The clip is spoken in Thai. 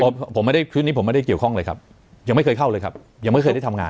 ผมผมไม่ได้คืนนี้ผมไม่ได้เกี่ยวข้องเลยครับยังไม่เคยเข้าเลยครับยังไม่เคยได้ทำงาน